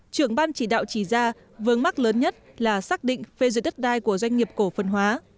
trưởng ban chỉ đạo chỉ ra vớng mắc lớn nhất là xác định phê duyệt đất đai của doanh nghiệp cổ phần hóa